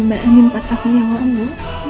mbak anin empat tahun yang lalu